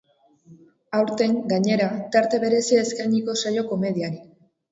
Aurten, gainera, tarte berezia eskainiko zaio komediari.